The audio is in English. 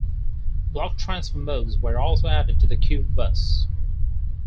Block transfer modes were also added to the Q-bus.